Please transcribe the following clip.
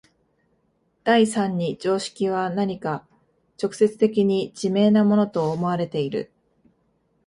第三に常識は何か直接的に自明なものと思われている。